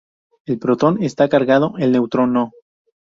El protón está cargado, el neutrón no.